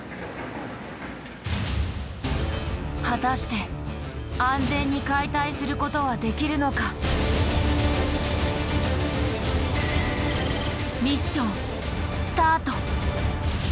果たして安全に解体することはできるのか⁉ミッションスタート。